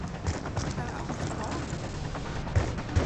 Är allt bra med dig?